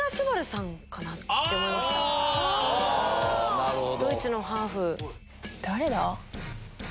なるほど。